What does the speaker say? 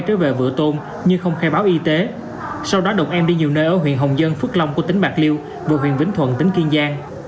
trần văn đồng em đi nhiều nơi ở huyện hồng dân phước long của tỉnh bạc liêu và huyện vĩnh thuận tỉnh kiên giang